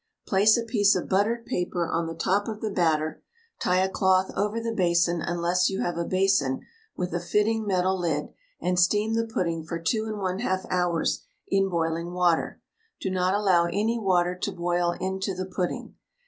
Place a piece of buttered paper on the top of the batter, tie a cloth over the basin unless you have a basin with a fitting metal lid, and steam the pudding for 2 1/2 hours in boiling water. Do not allow any water to boil into the pudding.